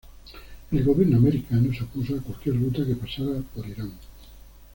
El gobierno americano se opuso a cualquier ruta que pasara por Irán.